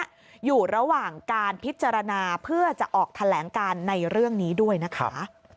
อยู่ระหว่างการพิจารณาเพื่อจะออกแถลงการในเรื่องนี้ด้วยนะคะ